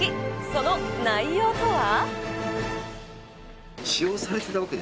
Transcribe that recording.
その内容とは。